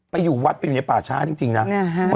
อยู่วัดไปอยู่ในป่าช้าจริงนะ